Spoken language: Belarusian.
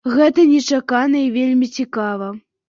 Гэта нечакана і вельмі цікава.